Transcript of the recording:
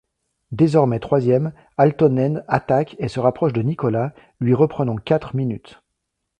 Désormais troisième, Aaltonen attaque et se rapproche de Nicolas, lui reprenant quatre minutes.